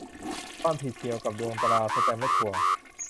ความผิดเกี่ยวกับดวงตรา แสตมป์และตั๋ว